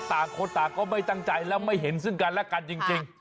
ต่างคนต่างก็ไม่ตั้งใจและไม่เห็นซึ่งกันและกันจริง